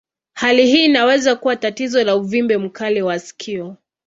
Hali hii inaweza kuwa tatizo la uvimbe mkali wa sikio.